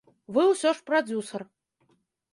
Вы ўсё ж прадзюсар.